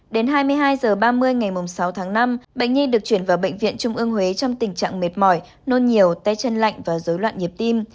đến hai mươi hai h ba mươi ngày sáu tháng năm bệnh nhi được chuyển vào bệnh viện trung ương huế trong tình trạng mệt mỏi nôn nhiều tay chân lạnh và dối loạn nhịp tim